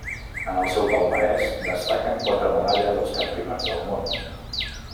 En el seu palmarès destaquen quatre medalles als Campionats del món.